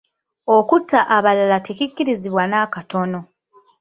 Okutta abalala tekikkirizibwa nakatono.